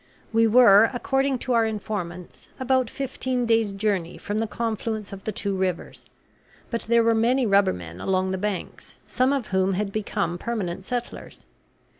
We were, according to our informants, about fifteen days' journey from the confluence of the two rivers; but there were many rubbermen along the banks, some of whom had become permanent settlers.